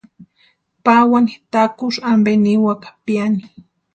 Pawani takusï ampe niwaka piani.